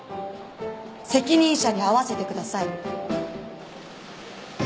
責任者に会わせてください。